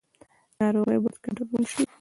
ناروغي باید کنټرول شي